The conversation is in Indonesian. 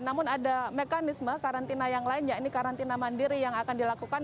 namun ada mekanisme karantina yang lain yakni karantina mandiri yang akan dilakukan